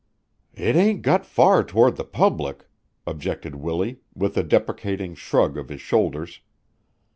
"It ain't got far toward the public," objected Willie, with a deprecating shrug of his shoulders.